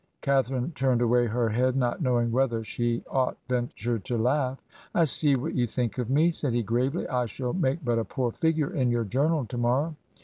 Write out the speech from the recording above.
Catharine turned away her head, not knowing whether she ought venture to laugh. ' I see what you think of me,' said he gravely. ' I shall make but a poor figure in your journal to morrow.